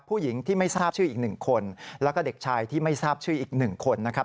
ผู้หญิงที่ไม่ทราบชื่ออีก๑คนแล้วก็เด็กชายที่ไม่ทราบชื่ออีก๑คนนะครับ